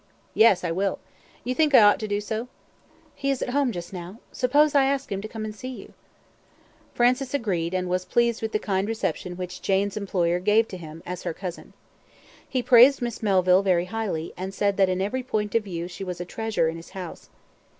"Yes, I will. You think I ought to do so?" "He is at home just now. Suppose I ask him to come to see you?" Francis agreed, and was pleased with the kind reception which Jane's employer gave to him, as her cousin. He praised Miss Melville very highly, and said that in every point of view she was a treasure in his house.